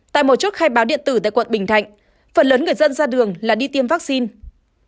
tại một chốt khai báo điện tử tại quận bình thạnh phần lớn người dân ra đường là đi tiêm vaccine